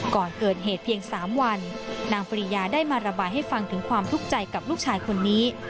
ก่อนเกิดเหตุเพียง๓วันนางปริยาได้มาระบายให้ฟังถึงความทุกข์ใจกับลูกชายคนนี้